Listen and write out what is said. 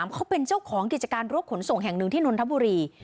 เขาเป็นเจ้าของกิจการรถขนส่งแห่งหนึ่งที่นนทบุรี